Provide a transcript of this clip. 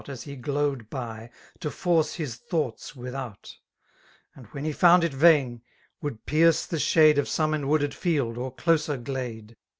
As he glode by, to force his thoughts wtibout; And, when h^ found it vaiu^ would pierce the shade Of some enwood^d fidd or eloper giade.